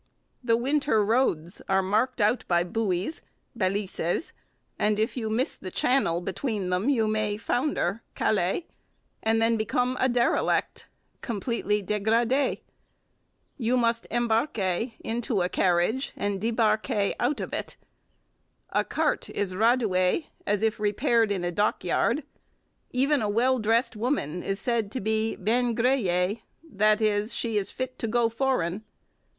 The winter roads are marked out by 'buoys' (balises), and if you miss the 'channel' between them you may 'founder' (caler) and then become a 'derelict' (completely dégradé). You must embarquer into a carriage and débarquer out of it. A cart is radou'ée, as if repaired in a dockyard. Even a well dressed woman is said to be bi'n gré yée, that is, she is 'fit to go foreign.'